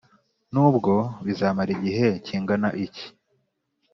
nubwo bizamara igihe kingana iki.